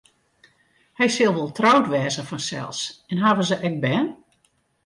Hy sil wol troud wêze fansels en hawwe se ek bern?